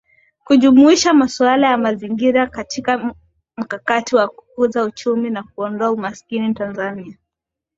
Kujumuisha masuala ya Mazingira katika Mkakati wa Kukuza Uchumi na Kuondoa Umaskini Tanzania